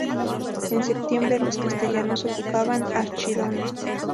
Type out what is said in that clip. En septiembre los castellanos ocupaban Archidona.